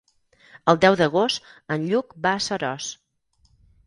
El deu d'agost en Lluc va a Seròs.